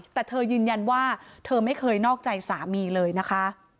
แต่เธอยืนยันว่าเธอไม่เคยนอกใจสามีเลยนะคะ